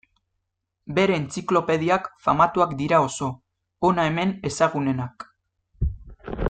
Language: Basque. Bere entziklopediak famatuak dira oso, hona hemen ezagunenak.